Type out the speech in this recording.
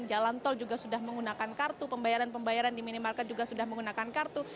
jalan tol juga sudah menggunakan kartu pembayaran pembayaran di minimarket juga sudah menggunakan kartu